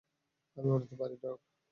আমি উড়তে পারি, ড্রাক!